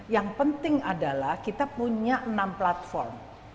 yang penting adalah kita punya enam platform